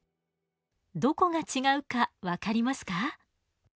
どこが違うか分かりますか？